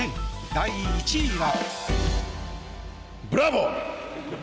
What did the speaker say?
第１位は。